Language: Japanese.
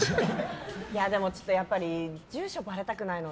でも、ちょっとやっぱり住所ばれたくないので。